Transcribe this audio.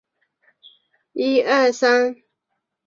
本季球衣改由彪马设计及供应。